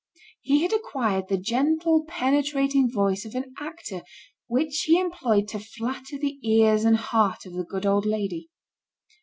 He had acquired the gentle penetrating voice of an actor which he employed to flatter the ears and heart of the good old lady.